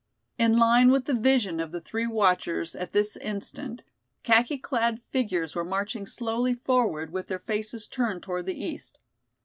In line with the vision of the three watchers at this instant khaki clad figures were marching slowly forward with their faces turned toward the east.